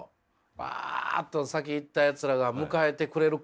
わっと先行ったやつらが迎えてくれる感じ。